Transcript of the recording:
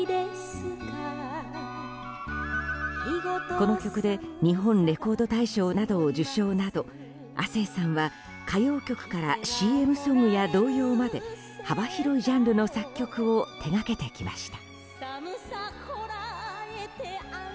この曲で日本レコード大賞などを受賞など亜星さんは、歌謡曲からＣＭソングや童謡まで幅広いジャンルの作曲を手掛けてきました。